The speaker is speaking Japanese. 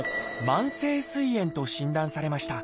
「慢性すい炎」と診断されました。